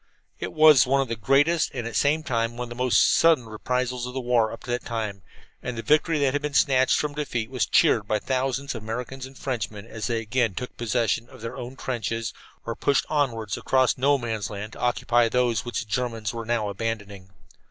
] It was one of the greatest and at the same time one of the most sudden reprisals of the war up to that time, and the victory that had been snatched from defeat was cheered by thousands of Americans and Frenchmen as they again took possession of their own trenches, or pushed onward across No Man's Land to occupy those which the Germans were now abandoning.